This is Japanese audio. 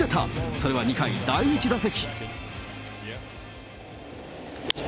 それは２回、第１打席。